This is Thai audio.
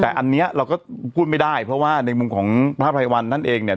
แต่อันนี้เราก็พูดไม่ได้เพราะว่าในมุมของพระภัยวันนั่นเองเนี่ย